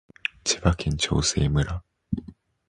千葉県長生村